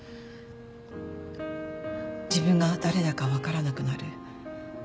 自分が誰だか分からなくなる。